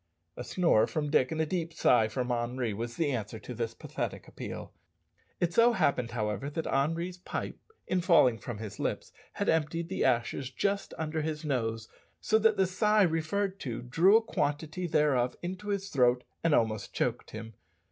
A snore from Dick and a deep sigh from Henri was the answer to this pathetic appeal. It so happened, however, that Henri's pipe, in falling from his lips, had emptied the ashes just under his nose, so that the sigh referred to drew a quantity thereof into his throat and almost choked him.